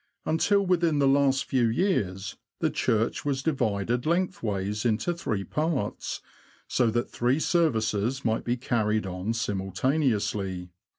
Until within the last few years the church was divided lengthways into three parts, so that three services might be carried on simultaneously.